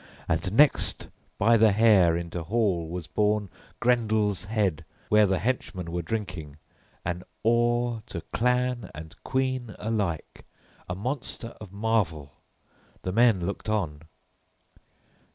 And next by the hair into hall was borne Grendel's head, where the henchmen were drinking, an awe to clan and queen alike, a monster of marvel: the men looked on.